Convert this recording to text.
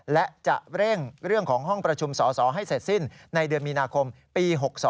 และจะเร่งเรื่องของห้องประชุมสสให้เสร็จสิ้นในเดือนมีนาคมปี๖๒